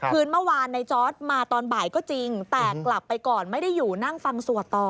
คืนเมื่อวานในจอร์ดมาตอนบ่ายก็จริงแต่กลับไปก่อนไม่ได้อยู่นั่งฟังสวดต่อ